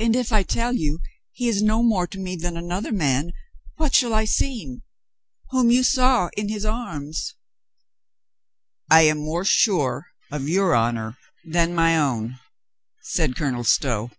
"And if I tell you he is no more to me than another man, what shall I seem — whom you saw in his arms ?" "I am more sure of your honor than my own," said Colonel Stow.